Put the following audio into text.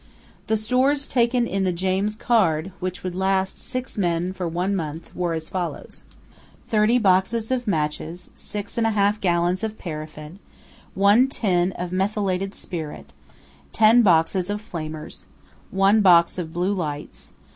The stores taken in the James Caird, which would last six men for one month, were as follows: 30 boxes of matches. 6½ gallons paraffin. 1 tin methylated spirit. 10 boxes of flamers. 1 box of blue lights.